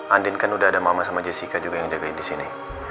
andien kan udah ada mama sama jessica juga yang jagain disini